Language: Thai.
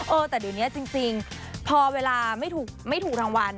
เออแต่เดี๋ยวเนี้ยจริงจริงพอเวลาไม่ถูกไม่ถูกรางวัล